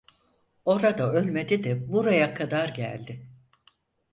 Orada ölmedi de buraya kadar geldi?